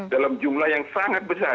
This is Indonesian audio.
dalam jumlah yang sangat besar